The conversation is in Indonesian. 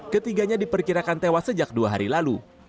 ketiganya diperkirakan tewas sejak dua hari lalu